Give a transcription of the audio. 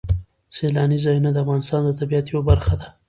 سیلاني ځایونه د افغانستان د طبیعت یوه برخه ده.